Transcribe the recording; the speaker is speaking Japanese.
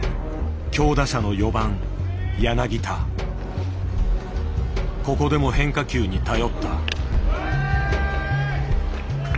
強打者のここでも変化球に頼った。